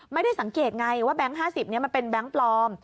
ไม่ได้สังเกตไงว่าแบงค์๕๐มันเป็นแก๊งปลอม